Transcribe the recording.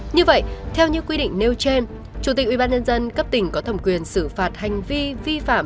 như vậy theo như quy định nêu trên chủ tịch ubnd cấp tỉnh có thẩm quyền xử phạt hành vi vi phạm